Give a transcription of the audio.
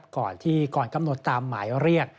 ก่อนที่ก่อนกำหนดตามหมายเรียก